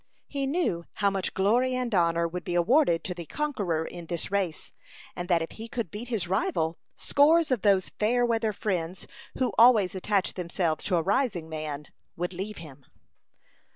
He knew how much glory and honor would be awarded to the conqueror in this race, and that if he could beat his rival, scores of those fair weather friends, who always attach themselves to a rising man, would leave him.